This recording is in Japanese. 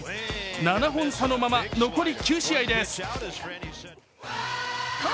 ７本差のまま、残り９試合です。